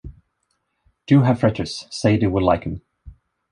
Do have fritters; Sadie will like 'em.